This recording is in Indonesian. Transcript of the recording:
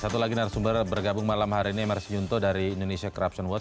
satu lagi narasumber tergabung malam hari ini mr senyunto dari indonesia corruption world